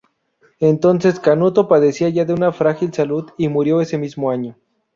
Entonces, Canuto padecía ya de una frágil salud, y murió ese mismo año.